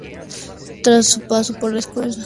Tras su paso por la escuela, dirigió tres cortometrajes.